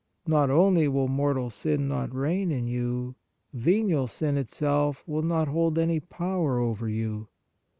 Not only will mortal sin not reign in you ; venial sin itself will not hold any power over you.